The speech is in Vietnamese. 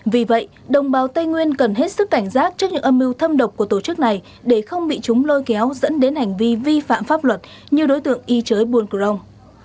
vì vậy đồng bào tây nguyên cần hết sức cảnh giác trước những âm mưu thâm độc của tổ chức này để không bị chúng lôi kéo dẫn đến hành vi vi phạm pháp luật như đối tượng y chới bùn crong